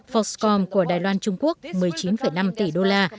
foxcom của đài loan trung quốc một mươi chín năm tỷ đô la